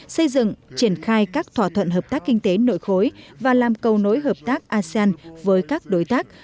xây dựng triển khai các thỏa thuận hợp tác kinh tế nội khối và làm cầu nối hợp tác asean với các đối tác